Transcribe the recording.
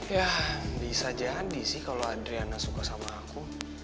ya bisa jadi sih kalau adriana suka sama aku